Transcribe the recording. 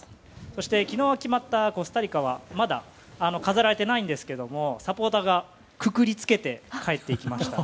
そして昨日決まったコスタリカはまだ飾られてないんですがサポーターがくくり付けて帰っていきました。